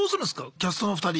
キャストの２人。